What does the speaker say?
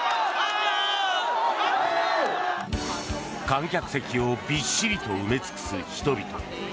観客席をびっしりと埋め尽くす人々。